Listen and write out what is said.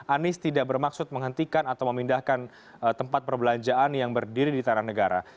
anies tidak bermaksud menghentikan atau memindahkan tempat perbelanjaan yang berdiri di tanah negara